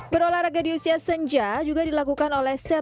berolahraga di usia senja juga dilakukan oleh senja